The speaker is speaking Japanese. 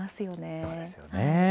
そうですよね。